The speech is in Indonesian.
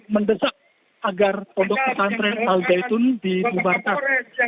mendesak agar pondok pesantren al zaitun dibubarkan